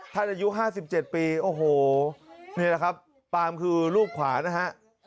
ท่านอายุห้าสิบเจ็ดปีโอ้โหนี่แหละครับปาล์มคือลูกขวานะฮะ